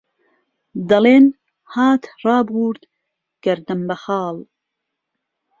دهڵێن، هات رابوورد گهردنبهخاڵ